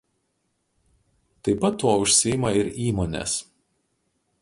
Taip pat tuo užsiima ir įmonės.